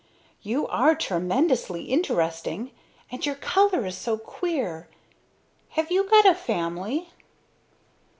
"You are tremendously interesting. And your color is so queer. Have you got a family?"